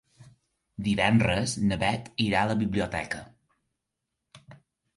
Divendres na Beth irà a la biblioteca.